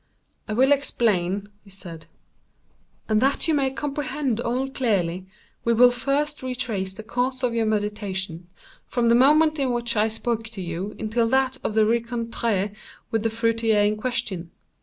"I will explain," he said, "and that you may comprehend all clearly, we will first retrace the course of your meditations, from the moment in which I spoke to you until that of the rencontre with the fruiterer in question.